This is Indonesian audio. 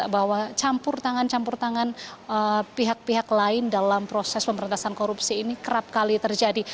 bahwa campur tangan campur tangan pihak pihak lain dalam proses pemberantasan korupsi ini kerap kali terjadi